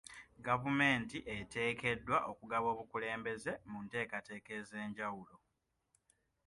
Gavumenti eteekeddwa okugaba obukulembeze mu nteekateeka ez'enjawulo.